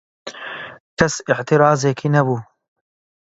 کەس ئێعترازێکی نەبوو